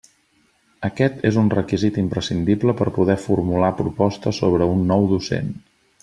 Aquest és un requisit imprescindible per poder formular proposta sobre un nou docent.